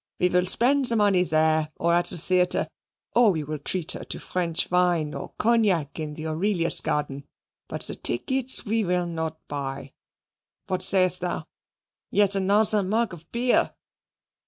We will spend thy money there or at the theatre, or we will treat her to French wine or Cognac in the Aurelius Garden, but the tickets we will not buy. What sayest thou? Yet, another mug of beer?"